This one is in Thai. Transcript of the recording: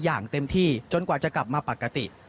อย่างเต็มที่จนกว่าจะกลับมาปกติ